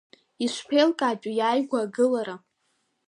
Ишԥеилкаатәу, иааигәа агылара…